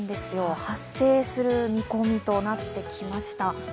発生する見込みとなってきました。